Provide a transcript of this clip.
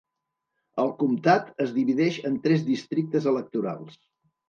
El comtat es divideix en tres districtes electorals.